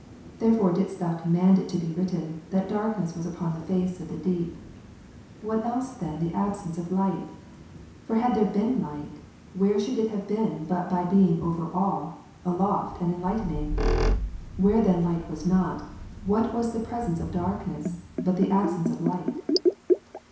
There fore didst Thou command it to be written, that darkness ivas upon the face of the deep ; what else than the absence of light ^? For had there been light, where should it have been but by being over all, aloft, and enlightening ? Where then light was not, what was the presence of darkness, but the absence of light